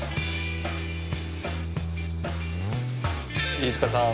飯塚さん？